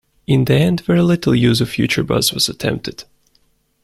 In the end very little use of Futurebus was attempted.